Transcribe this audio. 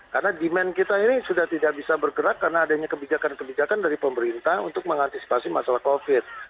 karena demand kita ini sudah tidak bisa bergerak karena adanya kebijakan kebijakan dari pemerintah untuk mengantisipasi masalah covid